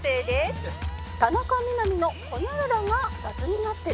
「田中みな実のホニャララが雑になってる」